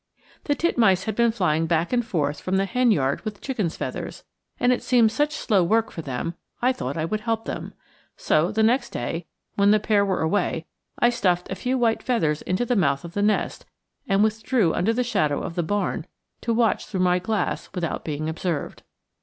The titmice had been flying back and forth from the hen yard with chicken's feathers, and it seemed such slow work for them I thought I would help them. So the next day, when the pair were away, I stuffed a few white feathers into the mouth of the nest and withdrew under the shadow of the barn to watch through my glass without being observed.